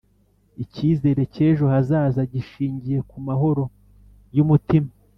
Icyizere cy ejo hazaza gishingiye ku mahoro y umutima